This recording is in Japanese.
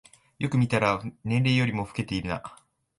よく見たら年齢よりも老けてるな